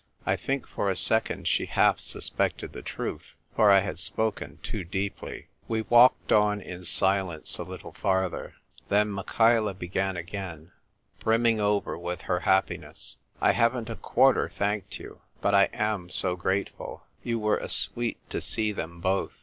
I think for a second she half suspected the truth, for I had spoken too deeply. We walked on in silence a little farther. Then Michaela began again, brimming over with her happiness. " I haven't a quarter thanked you. But I am so grateful! You were a sweet to see them both.